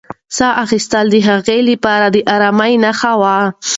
ساه اخیستل د هغې لپاره د ارامۍ نښه وه.